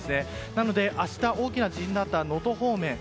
なので、明日大きな地震があった能登方面。